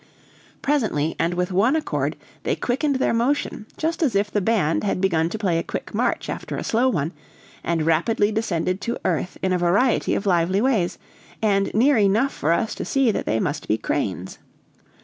"Presently, and with one accord, they quickened their motion, just as if the band had begun to play a quick march after a slow one, and rapidly descended to earth in a variety of lively ways, and near enough for us to see that they must be cranes.